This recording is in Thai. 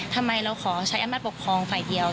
ทำไมเราขอใช้อำนาจปกครองฝ่ายเดียว